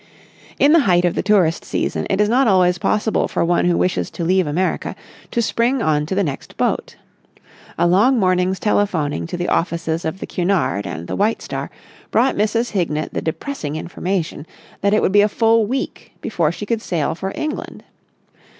In the height of the tourist season it is not always possible for one who wishes to leave America to spring on to the next boat. A long morning's telephoning to the offices of the Cunard and the White Star brought Mrs. Hignett the depressing information that it would be a full week before she could sail for England.